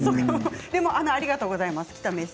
でも、ありがとうございます。